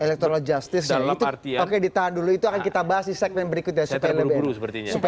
electoral justice itu oke ditahan dulu itu akan kita bahas di segmen berikutnya